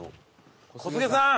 小菅さん！